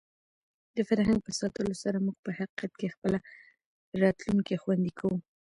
د فرهنګ په ساتلو سره موږ په حقیقت کې خپله راتلونکې خوندي کوو.